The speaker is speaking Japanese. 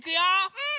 うん！